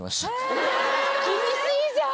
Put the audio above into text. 厳しいじゃん！